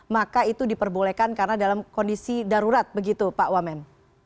maka itu diperbolehkan karena dalam kondisi darurat begitu pak wamen